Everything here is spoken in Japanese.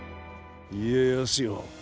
家康よ。